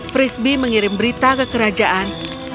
frisbee mengirim berita ke kerajaan